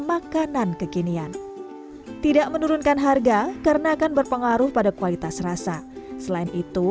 makanan kekinian tidak menurunkan harga karena akan berpengaruh pada kualitas rasa selain itu